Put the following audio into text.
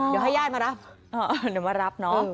เดี๋ยวให้ใย่มารับ